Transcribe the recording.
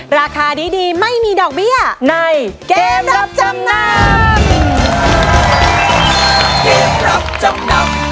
ราคาดีไม่มีดอกเบี้ยในเกมรับจำนำ